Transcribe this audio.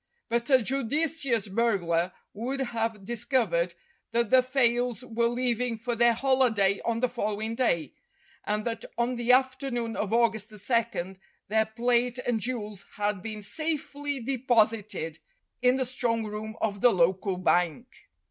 But a judicious burglar would have dis 272 STORIES WITHOUT TEARS covered that the Fayles were leaving for their holiday on the following day, and that on the afternoon of August 2 their plate and jewels had been safely de posited in the strong room of the local bank.